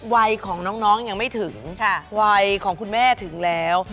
วัยของน้องยังไม่ถึงวัยของคุณแม่ถึงแล้ว